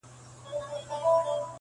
• چي پر اړخ به راواړاوه مېرمني -